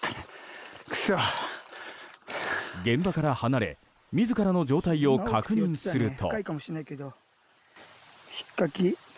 現場から離れ自らの状態を確認すると。